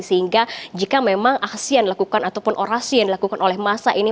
sehingga jika memang aksi yang dilakukan ataupun orasi yang dilakukan oleh masa ini